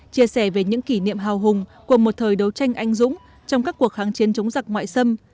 chia sẻ về những kỷ niệm hào hùng của một thời đấu tranh anh dũng trong các cuộc kháng chiến chống giặc ngoại xâm